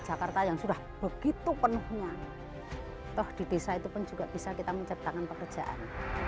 jakarta yang sudah begitu penuhnya toh di desa itu pun juga bisa kita menciptakan pekerjaan